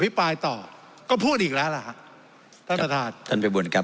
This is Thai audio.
ปลายต่อก็พูดอีกแล้วล่ะฮะท่านประธานท่านไปบนครับ